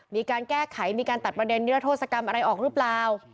มีการแก้ไขมีการตัดประเด็นนิรโทษกรรมอะไรออกหรือเปล่า